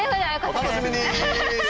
お楽しみに。